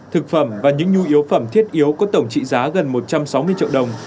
thực phẩm và những nhu yếu phẩm thiết yếu có tổng trị giá gần một trăm sáu mươi triệu đồng